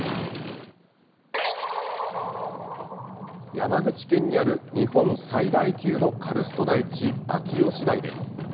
山口県にある日本最大級のカルスト台地、秋吉台です。